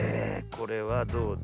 これはどうだ？